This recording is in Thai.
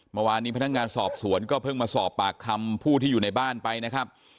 เมื่อวานนี้พนักงานสอบสวนก็เพิ่งมาสอบปากคำผู้ที่อยู่ในบ้านไปนะครับ